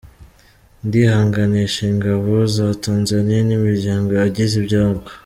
Ndihanganisha Ingabo za Tanzania n’imiryango yagize ibyago.